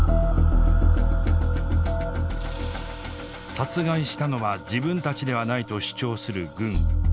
「殺害したのは自分たちではない」と主張する軍。